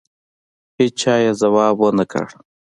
هېچا یې ځواب ونه کړ.